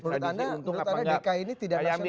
menurut anda dika ini tidak nasionalis